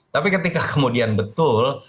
tapi ketika kemudian betul